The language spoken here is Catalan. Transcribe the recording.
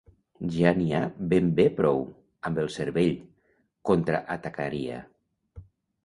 Ja n'hi ha ben bé prou, amb el cervell — contraatacaria.